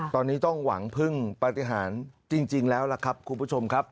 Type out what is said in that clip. ตอนนี้ต้องหวังพึ่งปฏิหารจริงแล้วล่ะครับคุณผู้ชมครับ